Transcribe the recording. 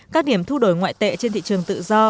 các điểm thu đổi ngoại tệ trên thị trường tự do